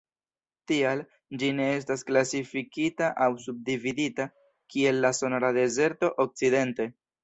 Tial, ĝi ne estas klasifikita aŭ subdividita, kiel la Sonora-Dezerto okcidente.